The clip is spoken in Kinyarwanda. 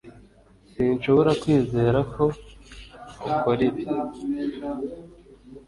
sinshobora kwizera ko ukora ibi